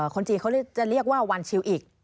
คนจีนเขาจะเรียกว่าวันชิวอีก